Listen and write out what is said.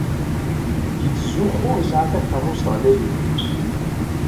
Yettzuxxu yesɛa takeṛṛust ɣlayen.